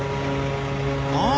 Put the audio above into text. ああ。